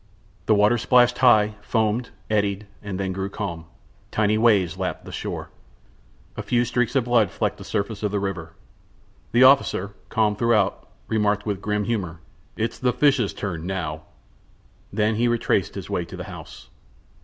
The water splashed high, foamed, eddied, then grew calm; tiny waves lapped the shore. A few streaks of blood flecked the surface of the river. The officer, calm throughout, remarked, with grim humor: "It's the fishes' turn now!" Then he retraced his way to the house.